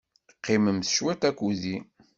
Qqimemt cwit akked-i.